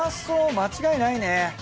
間違いないね。